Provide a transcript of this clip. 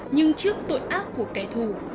nhưng trước tội ác của kẻ thù